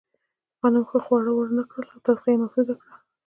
غنم ښه خواړه ورنهکړل او تغذیه یې محدوده کړه.